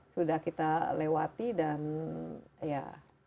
sudah kita lewati dan ya